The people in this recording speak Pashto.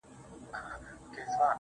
زموږ وطن كي اور بل دی.